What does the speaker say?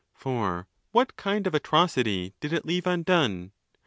IX. For what kind of atrocity did it leave undone?